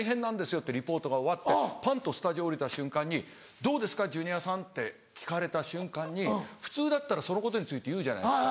ってリポートが終わってパン！とスタジオおりた瞬間に「どうですかジュニアさん」って聞かれた瞬間に普通だったらそのことについて言うじゃないですか。